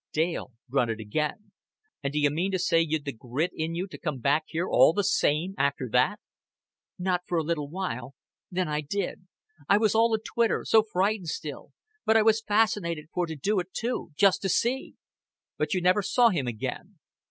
Dale grunted again. "An' d'you mean to say you'd the grit in you to come back here all the same, after that?" "Not for a little while. Then I did. I was all a twitter, so frightened still, but I was fascinated for to do it too just to see." "But you never saw him again."